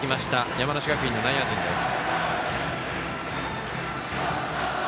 山梨学院の内野陣です。